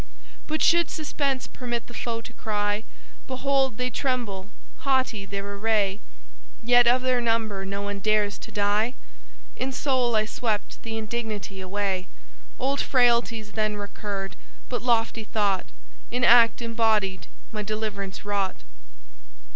"'But should suspense permit the foe to cry, "Behold they tremble! haughty their array, Yet of their number no one dares to die?" In soul I swept the indignity away: Old frailties then recurred: but lofty thought In act embodied my deliverance wrought.'